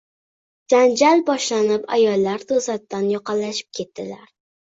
Janjal boshlanib, ayollar to`satdan yoqalashib ketdilar